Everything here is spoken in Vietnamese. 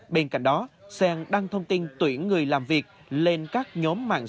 bên cạnh đó xen đăng thông tin tuyển người làm việc lên các nhóm mạng